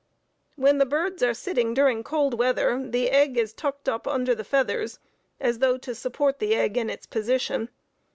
When the birds are sitting during cold weather, the egg is tucked up under the feathers, as though to support the egg in its position.